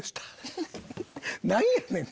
何やねん！